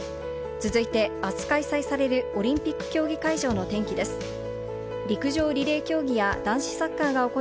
続いて明日開催されるオリンピック競技会場の天気です。